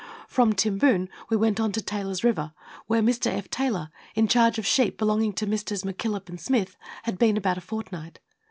From Timboon we went on to Taylor's River, where Mr. F. Taylor, in charge of sheep belonging to Messrs. McKillop and Smith, had been about a fortnight.